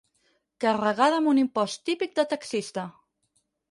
Carregada amb un impost típic de taxista.